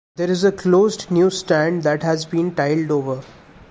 There is a closed newsstand that has been tiled over.